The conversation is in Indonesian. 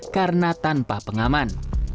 karena tanpa pengaman